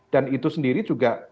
dan itu sendiri juga